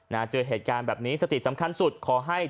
มันก็ขึ้นมาแบบนี้มันเถอะ